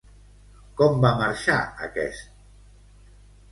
Com va marxar aquest?